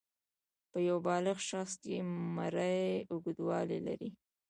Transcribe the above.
په یو بالغ شخص کې مرۍ اوږدوالی لري.